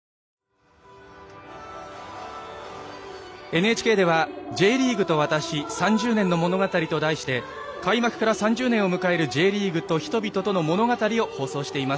ＮＨＫではＪリーグと私３０年の物語と題して開幕から３０年を迎えるＪリーグと人々との物語を放送しています。